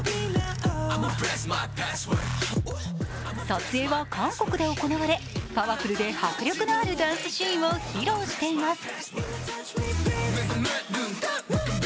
撮影は韓国で行われ、パワフルで迫力のあるダンスシーンを披露しています。